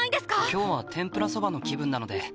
今日は天ぷらそばの気分なので。